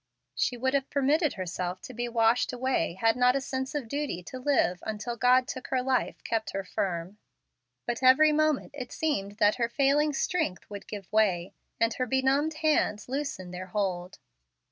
She would have permitted herself to be washed away had not a sense of duty to live until God took her life kept her firm. But every moment it seemed that her failing strength would give way, and her benumbed hands loosen their hold.